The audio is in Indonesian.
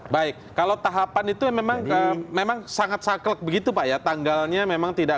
baik kalau tahapan itu memang sangat saklek begitu pak ya tanggalnya memang tidak